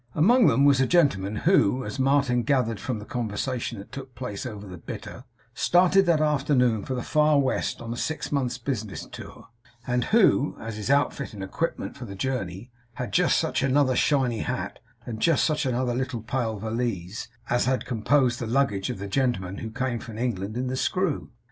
Among them was a gentleman who, as Martin gathered from the conversation that took place over the bitter, started that afternoon for the Far West on a six months' business tour, and who, as his outfit and equipment for this journey, had just such another shiny hat and just such another little pale valise as had composed the luggage of the gentleman who came from England in the Screw.